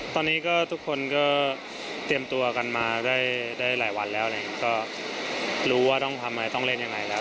ตอนนี้ก็ทุกคนก็เตรียมตัวกันมาได้หลายวันแล้วอะไรอย่างนี้ก็รู้ว่าต้องทำอะไรต้องเล่นยังไงแล้ว